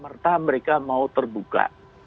merta mereka mau terbuka